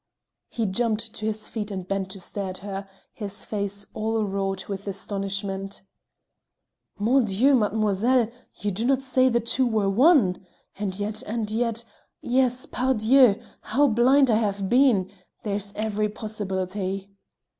He jumped to his feet and bent to stare at her, his face all wrought with astonishment. "Mon Dieu! Mademoiselle, you do not say the two were one? And yet and yet yes, par dieu! how blind I have been; there is every possibility."